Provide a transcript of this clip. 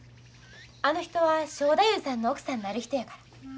あの人は正太夫さんの奥さんになる人やから。